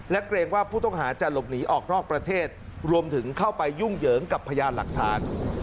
และเกรงว่าผู้ต้องหาจะหลบหนีออกนอกประเทศรวมถึงเข้าไปยุ่งเหยิงกับพยานหลักฐาน